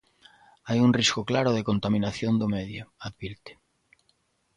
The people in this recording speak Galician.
Hai un risco claro de contaminación do medio, advirte.